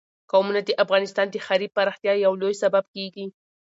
قومونه د افغانستان د ښاري پراختیا یو لوی سبب کېږي.